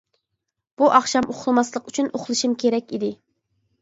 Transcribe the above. بۇ ئاخشام ئۇخلىماسلىق ئۈچۈن ئۇخلىشىم كېرەك ئىدى.